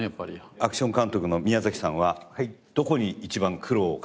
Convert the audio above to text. アクション監督の宮崎さんはどこに一番苦労を感じましたか？